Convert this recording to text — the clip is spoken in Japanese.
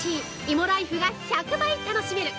芋ライフが１００倍楽しめる